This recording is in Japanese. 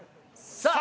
さあ！